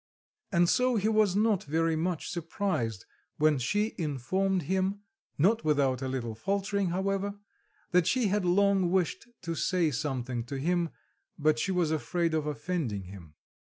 And so he was not very much surprised when she informed him, not without a little faltering, however, that she had long wished to say something to him, but she was afraid of offending him.